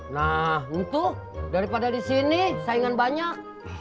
nah gitu daripada disini saingan banyak